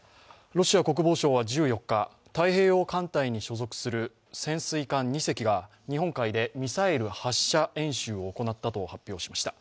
ロシア国防省は１４日、太平洋艦隊に所属する潜水艦２隻が日本海でミサイル発射演習を行ったと発表しました。